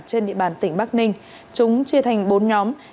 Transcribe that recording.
trên địa bàn tỉnh bắc ninh chúng chia thành bốn nhóm